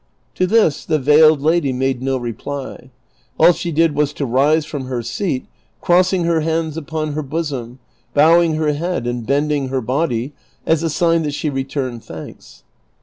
To this the veiled lady made no reply ; all she did was to rise from her seat, crossing her hands upon her bosom, bowing her head and bending her body as a sign that she returned thanks.